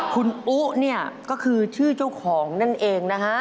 คุณอุ๊เนี่ยก็คือชื่อเจ้าของนั่นเองนะฮะ